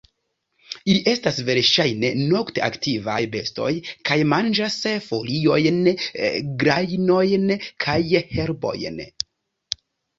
Ili estas verŝajne nokte aktivaj bestoj kaj manĝas foliojn, grajnojn kaj herbojn.